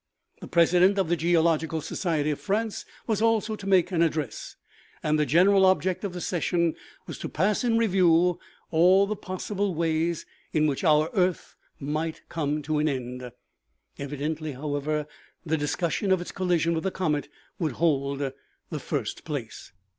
The president of the geological society of France was also to make an address, and the general object of the session was to pass in review all the possible ways in which onr earth might come to an end. Evidently, however, the discussion of its collision with the comet would hold the first place.